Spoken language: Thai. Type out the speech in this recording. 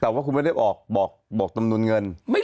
แต่ว่าคุณไม่ได้ออกบอกจำนวนเงิน